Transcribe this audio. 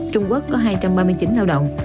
trung quốc có hai trăm ba mươi chín lao động